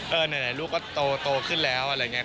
ไหนลูกก็โตขึ้นแล้วอะไรอย่างนี้